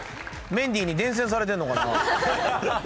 メンディーに伝染されてんのかな。